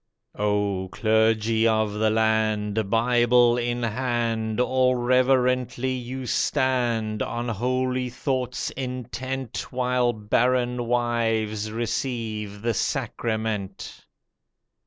Oh, clergy of the land, Bible in hand, All reverently you stand, On holy thoughts intent While barren wives receive the sacrament!